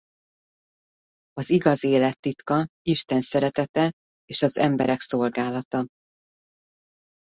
Az igaz élet titka Isten szeretete és az emberek szolgálata.